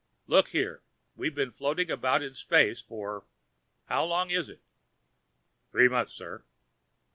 Look here, we've been floating about in space for how long is it?" "Three months, sir."